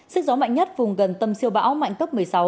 sức gió mạnh nhất vùng gần tâm siêu bão mạnh cấp một mươi sáu